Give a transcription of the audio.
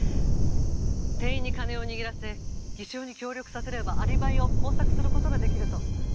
店員に金を握らせ偽証に協力させればアリバイを工作する事が出来ると。